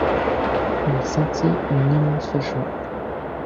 Il sentit une immense joie.